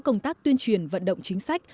công tác tuyên truyền vận động chính sách